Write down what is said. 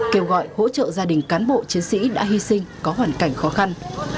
kêu gọi hỗ trợ gia đình cán bộ chiến sĩ đã hy sinh có hoàn cảnh khó khăn